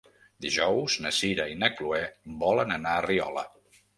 Dijous na Sira i na Chloé volen anar a Riola.